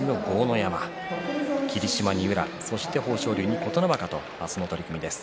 山霧島に宇良豊昇龍、琴ノ若と明日の取組です。